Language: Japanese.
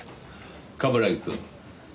冠城くん。